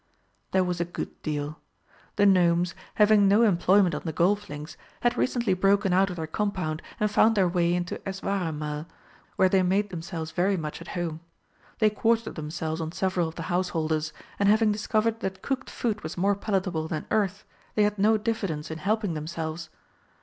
There was a good deal. The Gnomes, having no employment on the golf links, had recently broken out of their compound and found their way into Eswareinmal, where they made themselves very much at home. They quartered themselves on several of the householders, and, having discovered that cooked food was more palatable than earth, they had no diffidence in helping themselves.